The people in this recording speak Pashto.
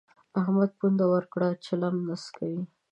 احمد پونده ورکړې ده؛ چلم نه څکوي.